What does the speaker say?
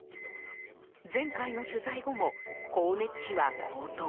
前回の取材後も、光熱費は高騰。